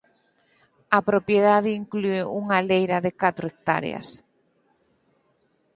A propiedade inclúe unha leira de catro hectáreas.